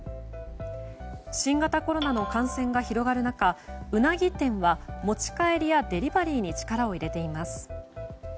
新型コロナの感染が広がる中ウナギ店は持ち帰りやデリバリーに力を入れています。